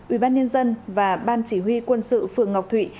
ubnd và ban chỉ huy quân sự phường ngọc thụy